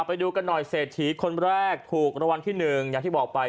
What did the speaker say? ไปดูกันหน่อยเศรษฐีคนแรกถูกรางวัลที่๑อย่างที่บอกไป